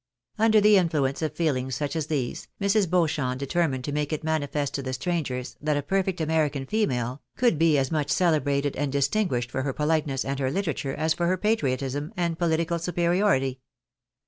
Under the influence of feelings such as these, Mrs. Beauchamp determined to make it manifest to the strangers, that a perfect American female " could be as much celebrated and distinguished for her politeness and her literature, as for her patriotism and •xjlitical superiority.